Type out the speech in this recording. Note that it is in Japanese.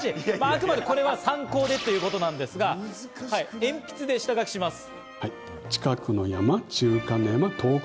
あくまでこれは参考でということなんですが、鉛筆で下描きします。